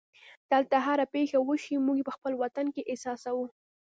دلته هره پېښه وشي موږ یې په خپل وطن کې احساسوو.